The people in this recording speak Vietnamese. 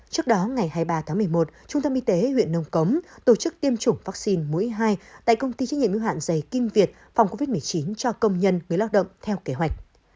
trước đó ngày hai mươi ba tháng một mươi một trung tâm y tế huyện nông cống tổ chức tiêm chủng vaccine mũi hai tại công ty trách nhiệm ưu hạn dày kim việt phòng covid một mươi chín cho công nhân người lao động theo kế hoạch